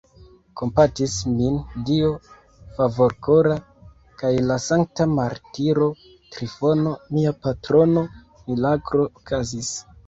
Kompatis min Dio Favorkora kaj la sankta martiro Trifono, mia patrono: miraklo okazis!